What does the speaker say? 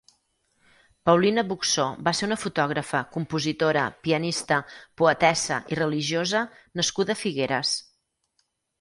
Paulina Buxó va ser una fotògrafa, compositora, pianista, poetessa i religiosa nascuda a Figueres.